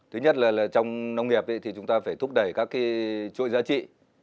thứ nhất là trong nông nghiệp thì chúng ta phải thúc đẩy các cái chuỗi giá trị